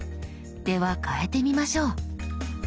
では変えてみましょう。